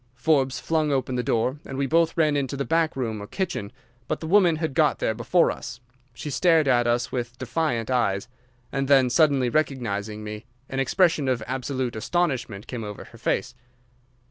Forbes flung open the door, and we both ran into the back room or kitchen, but the woman had got there before us. She stared at us with defiant eyes, and then, suddenly recognising me, an expression of absolute astonishment came over her face.